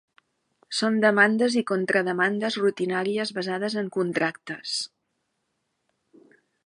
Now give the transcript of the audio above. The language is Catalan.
Són demandes i contrademandes rutinàries basades en contractes.